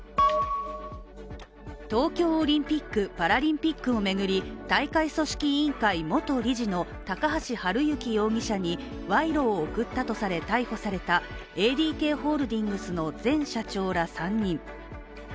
東京オリンピック・パラリンピックを巡り大会組織委員会元理事の高橋治之容疑者に賄賂を贈ったとして逮捕されたＡＤＫホールディングスの前社長ら３人。